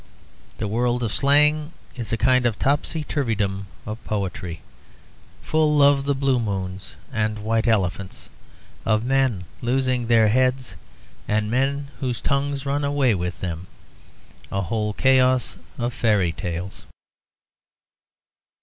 The world of slang is a kind of topsy turveydom of poetry, full of blue moons and white elephants, of men losing their heads, and men whose tongues run away with them a whole chaos of fairy tales.